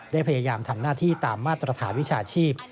ได้พยายามทำหน้าที่ตามมาตรฐานวิชาชีพ